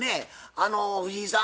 あの藤井さん